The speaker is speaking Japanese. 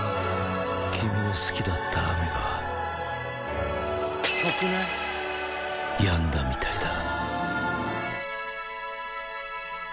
君の好きだった雨がやんだみたいだ